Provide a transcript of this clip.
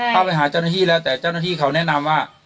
เข้าไปหาเจ้าหน้าที่แล้วแต่เจ้าหน้าที่เขาแนะนำว่า